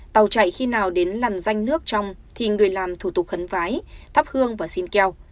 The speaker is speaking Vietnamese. tàu chạy khi nào đến làn danh nước trong thì người làm thủ tục khấn vái thắp hương và xin keo